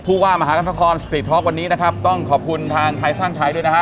ผู้ว่ามหากรรมสตรีท็อกวันนี้นะครับต้องขอบคุณทางไทยสร้างชัยด้วยนะฮะ